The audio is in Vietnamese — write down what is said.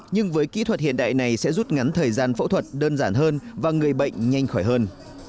nhưng với kỹ thuật hiện đại này sẽ rút ngắn thời gian phẫu thuật đơn giản hơn và người bệnh nhanh khỏi hơn